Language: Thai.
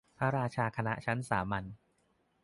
พระราชาคณะชั้นสามัญ